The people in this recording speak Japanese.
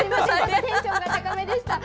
テンションが高めでした。